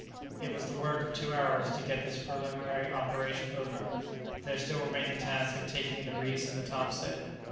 It was the work of two hours to get this preliminary operation over. There still remained the task of taking in the reefs in the top sail.